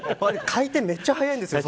回転、めっちゃ早いんですよ。